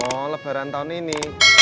oh lebaran tahun ini